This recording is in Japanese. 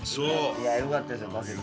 いやあよかったですよ